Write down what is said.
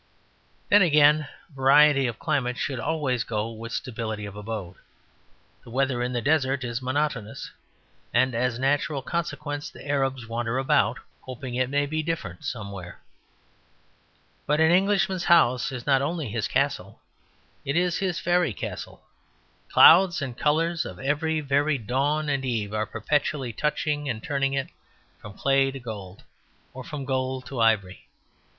Then, again, variety of climate should always go with stability of abode. The weather in the desert is monotonous; and as a natural consequence the Arabs wander about, hoping it may be different somewhere. But an Englishman's house is not only his castle; it is his fairy castle. Clouds and colours of every varied dawn and eve are perpetually touching and turning it from clay to gold, or from gold to ivory.